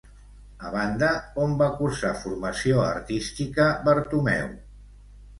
A banda, on va cursar formació artística Bartomeu?